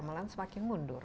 malah semakin mundur